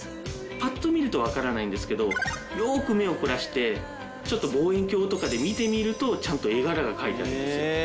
パッと見るとわからないんですけどよく目を凝らしてちょっと望遠鏡とかで見てみるとちゃんと絵柄が描いてあるんですよ。